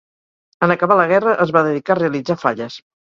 En acabar la guerra, es va dedicar a realitzar falles.